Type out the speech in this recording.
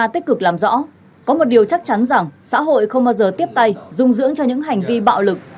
tích cực làm rõ có một điều chắc chắn rằng xã hội không bao giờ tiếp tay dung dưỡng cho những hành vi bạo lực